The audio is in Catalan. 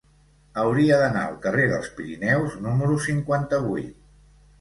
Hauria d'anar al carrer dels Pirineus número cinquanta-vuit.